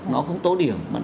nó không tố điểm